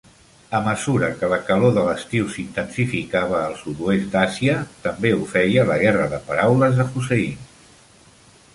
A mesura que la calor de l'estiu s'intensificava al sud-oest d'Àsia, també ho feia la guerra de paraules d'Hussein.